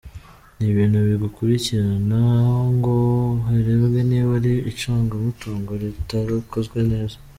Ni ibintu bigikurikiranwa ngo harebwe niba ari icungamutungo ritarakozwe neza.